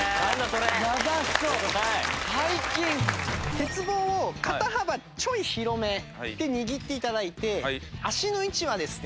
鉄棒を肩幅ちょい広めで握って頂いて足の位置はですね